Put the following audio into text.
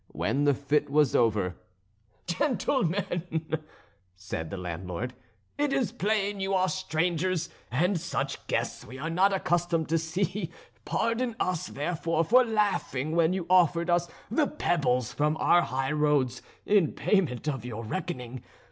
When the fit was over: "Gentlemen," said the landlord, "it is plain you are strangers, and such guests we are not accustomed to see; pardon us therefore for laughing when you offered us the pebbles from our highroads in payment of your reckoning.